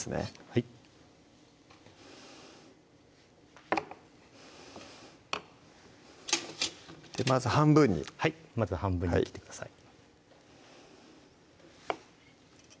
はいまず半分にまず半分に切ってください